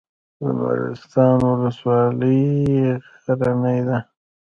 د مالستان ولسوالۍ غرنۍ ده